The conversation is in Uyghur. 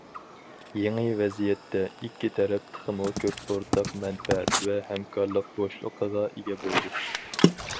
يېڭى ۋەزىيەتتە، ئىككى تەرەپ تېخىمۇ كۆپ ئورتاق مەنپەئەت ۋە ھەمكارلىق بوشلۇقىغا ئىگە بولدى.